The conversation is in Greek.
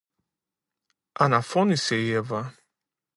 αναφώνησε η Εύα